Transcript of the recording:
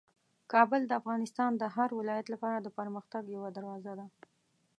کابل د افغانستان د هر ولایت لپاره د پرمختګ یوه دروازه ده.